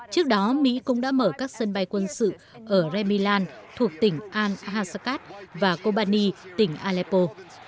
trước đó mỹ cũng đã mở các sân bay quân sự ở remilan thuộc tỉnh al hasakat và kobani tỉnh aleppo